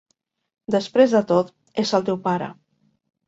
Després de tot, és el teu pare.